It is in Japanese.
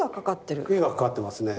絵が掛かってますね。